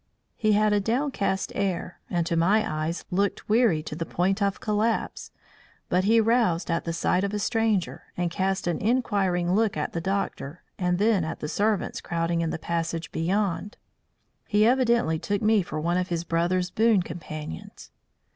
He had a downcast air, and to my eyes looked weary to the point of collapse, but he roused at the sight of a stranger, and cast an inquiring look at the doctor and then at the servants crowding in the passage beyond. He evidently took me for one of his brothers' boon companions.